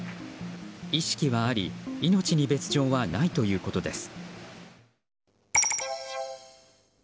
意識はあり命に別条はないということです。